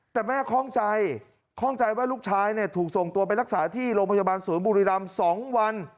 แต่แม่คล่องใจคล่องใจว่าลูกชายถูกส่งตัวไปรักษาที่โรงพยาบาลศูนย์บุรีรำ๒วัน